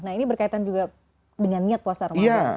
nah ini berkaitan juga dengan niat puasa ramadan